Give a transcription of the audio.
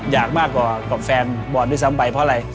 อยากมากกว่ากับแฟนบอลด้วยซ้ำไปเพราะอะไร